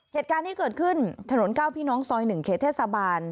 เหตุการณ์ที่เกิดขึ้นถนน๙พี่น้องซอย๑เขตเทศบาล